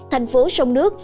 thành phố sông nước